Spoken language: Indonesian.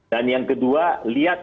dan yang kedua lihat